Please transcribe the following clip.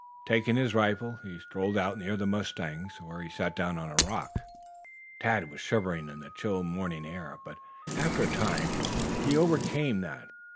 Taking his rifle, he strolled out near the mustangs, where he sat down on a rock. Tad was shivering in the chill morning air, but after a time he overcame that.